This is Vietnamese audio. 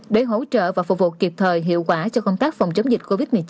để hỗ trợ và phục vụ kịp thời hiệu quả cho công tác phòng chống dịch covid một mươi chín